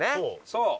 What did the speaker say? そう！